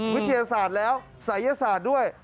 วิทยาศาสตร์แล้วศัยศาสตร์ด้วย